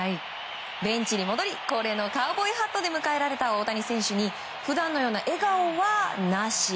ベンチに戻り恒例のカウボーイハットで迎えられた大谷選手に普段のような笑顔はなし。